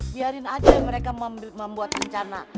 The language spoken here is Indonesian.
biarin aja mereka membuat rencana